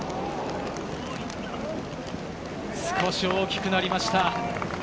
少し大きくなりました。